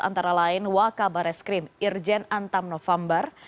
antara lain wakabar eskrim irjen antam november